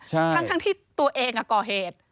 ทั้งที่ตัวเองก่อเหตุ